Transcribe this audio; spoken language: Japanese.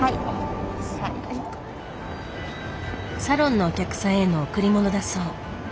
サロンのお客さんへの贈り物だそう。